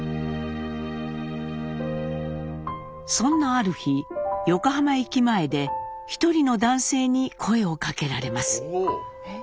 そんなある日横浜駅前で一人の男性に声をかけられます。